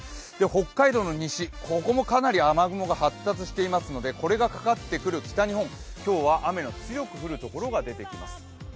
北海道の西、ここもかなり雨雲が発達していますので、これがかかってくる北日本、今日は雨の強く降る所が出てきます。